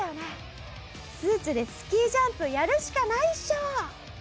「スーツでスキージャンプやるしかないっしょ！」。